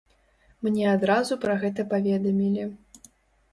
Мне адразу пра гэта паведамілі.